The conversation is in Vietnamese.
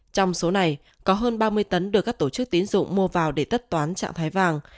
trong số này có hơn ba mươi tấn được các tổ chức tiến dụng mua vào để tất toán trạng thái vàng